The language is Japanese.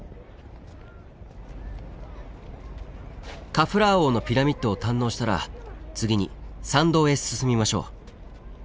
カフラー王のピラミッドを堪能したら次に参道へ進みましょう。